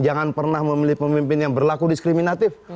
jangan pernah memilih pemimpin yang berlaku diskriminatif